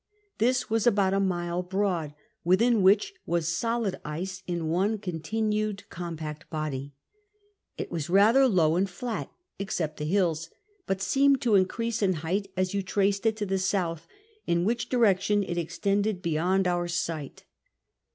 This wah aliout a mile broad, within which was soliil ice in one continued compact body. It was rtithcr low and flat (except the hills), but seemed to increase in height as you traced it to the south, in whicdi direction it extended beyond our sight.